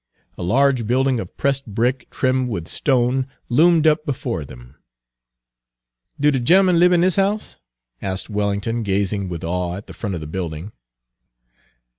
A large building of pressed brick, trimmed with stone, loomed up before them. "Do de gemman lib in dis house?" asked Wellington, gazing with awe at the front of the building.